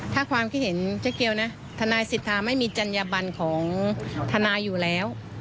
ถ้าความคิดเห็นเจ๊เกียวนะทนายสิทธาไม่มีจัญญบันของทนายอยู่แล้ว